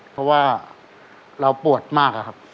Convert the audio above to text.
เพราะว่าเราปวดมากอะครับ